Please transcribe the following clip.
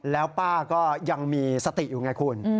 แล้วป้าก็ยังมีสติอยู่ไงคุณ